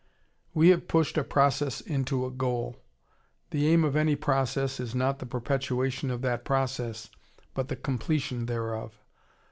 We have pushed a process into a goal. The aim of any process is not the perpetuation of that process, but the completion thereof.